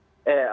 banyak yang juga